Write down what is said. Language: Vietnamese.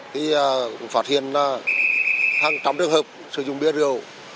thì phát hiện hàng trăm trường hợp sử dụng bia rượu